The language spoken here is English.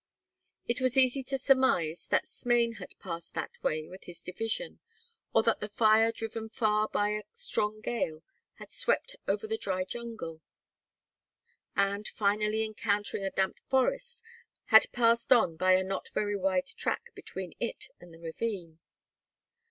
It was easy to surmise that Smain had passed that way with his division, or that the fire driven from far by a strong gale had swept over the dry jungle and, finally encountering a damp forest, had passed on by a not very wide track between it and the ravine.